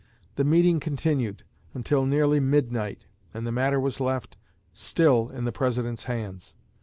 The meeting continued until nearly midnight, and the matter was left still in the President's hands.